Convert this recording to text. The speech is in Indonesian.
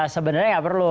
sebenarnya nggak perlu